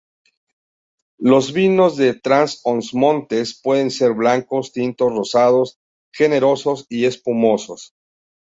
Los vinos de Trás-os-Montes pueden ser blancos, tintos, rosados, generosos y espumosos.